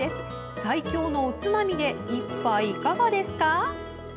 最強のおつまみで一杯いかがですか？